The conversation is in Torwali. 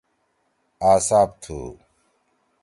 آ سآب تھو ۔